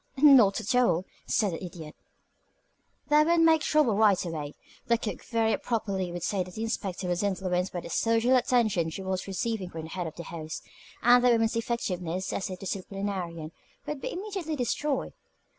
"Not at all," said the Idiot. "That would make trouble right away. The cook very properly would say that the inspector was influenced by the social attention she was receiving from the head of the house, and the woman's effectiveness as a disciplinarian would be immediately destroyed.